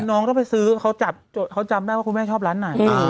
น้องก็ไปซื้อเขาจำได้ว่าคุณแม่ชอบร้านไหน